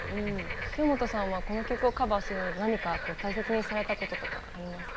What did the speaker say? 京本さんはこの曲をカバーする何か大切にされたこととかありますか？